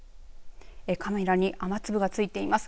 カメラに雨粒がついています。